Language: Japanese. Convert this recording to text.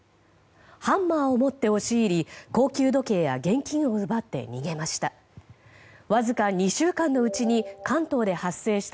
ハンマーを持って押し入り高級時計や現金を奪って逃げました。